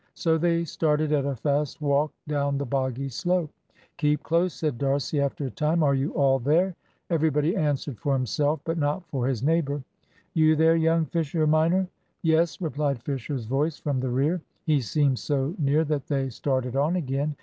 So they started at a fast walk down the boggy slope. "Keep close," said D'Arcy after a time. "Are you all there?" Everybody answered for himself, but not for his neighbour. "You there, young Fisher minor?" "Yes," replied Fisher's voice from the rear. He seemed so near that they started on again.